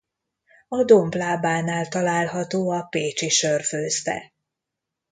A domb lábánál található a Pécsi Sörfőzde.